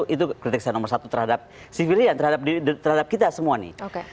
itu kritik saya nomor satu terhadap sivirian terhadap kita semua nih